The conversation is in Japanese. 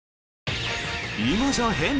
今じゃ変？